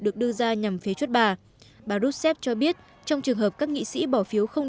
được đưa ra nhằm phế chuất bà bà rusev cho biết trong trường hợp các nghị sĩ bỏ phiếu không